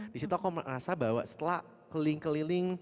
disitu aku merasa bahwa setelah keliling keliling